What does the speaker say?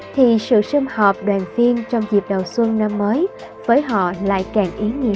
thì sự xâm hợp đoàn viên trong dịp đầu xuân năm mới với họ lại càng ý nghĩa